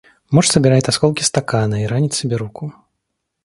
Муж собирает осколки стакана и ранит себе руку.